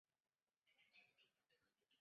顺治二年。